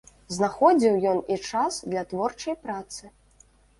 Знаходзіў ён і час для творчай працы.